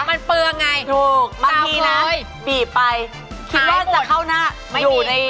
มันเปลืองไงถูกมันมีนะปีบไปคิดว่าจะเข้าหน้า